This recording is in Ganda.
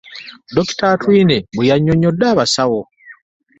Dokita Atwine bwe yannyonnyodde abasawo